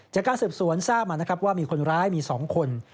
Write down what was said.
จากการสืบสวนทราบมานะครับว่ามีคนร้ายมี๒คน